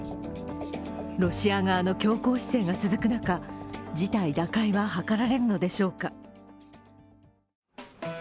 ロシア側の強硬姿勢が続く中、事態打開は図られるのでしょうか。